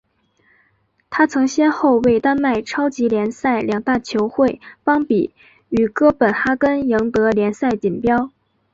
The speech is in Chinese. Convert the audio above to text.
他曾先后为丹麦超级联赛两大球会邦比与哥本哈根赢得联赛锦标。